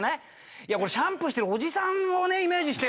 「いやこれシャンプーしてるおじさんをねイメージして」。